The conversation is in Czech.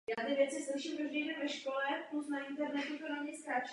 Vstupní průčelí je otevřeno širokým schodištěm se zábradlím.